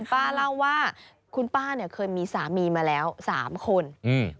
ป้าเล่าว่าคุณป้าเนี่ยเคยมีสามีมาแล้วสามคนอืม